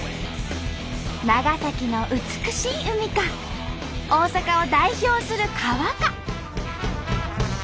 長崎の美しい海か大阪を代表する川か。